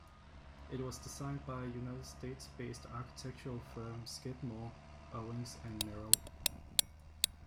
It was designed by United States-based architectural firm Skidmore, Owings and Merrill.